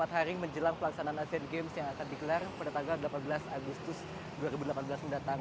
empat hari menjelang pelaksanaan asian games yang akan digelar pada tanggal delapan belas agustus dua ribu delapan belas mendatang